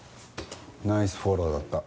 ナイスフォローだった。